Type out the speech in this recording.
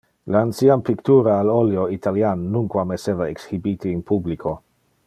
Le ancian pictura al oleo italian nunquam esseva exhibite in publico.